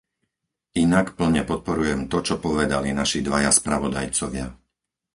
Inak plne podporujem to, čo povedali naši dvaja spravodajcovia.